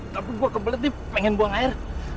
tapi gue kebelet dia pengen buang air